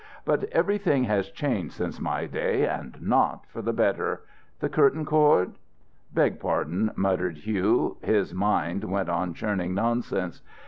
"But everything has changed since my day, and not for the better. The curtain cord." "Beg pardon," muttered Hugh. His mind went on churning nonsense.